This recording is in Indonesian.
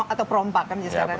atau perompak kan